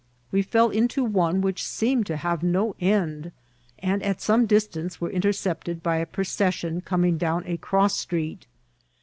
We fell into one which seemed to have no end, and at some distance were intercepted by a procession coming down a cross street.